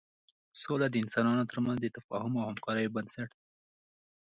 سوله د انسانانو تر منځ د تفاهم او همکاریو بنسټ دی.